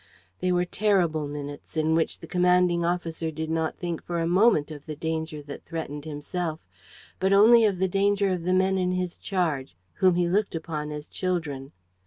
They were terrible minutes, in which the commanding officer did not think for a moment of the danger that threatened himself, but only of the danger of the men in his charge, whom he looked upon as children.